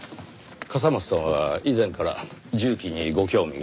笠松さんは以前から銃器にご興味が？